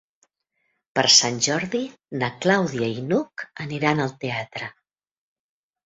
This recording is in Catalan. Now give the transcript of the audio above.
Per Sant Jordi na Clàudia i n'Hug aniran al teatre.